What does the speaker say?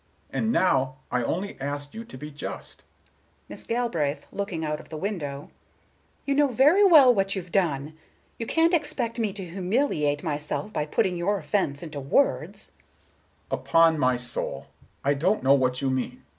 And now I only ask you to be just." Miss Galbraith, looking out of the window: "You know very well what you've done. You can't expect me to humiliate myself by putting your offence into words." Mr. Richards: "Upon my soul, I don't know what you mean!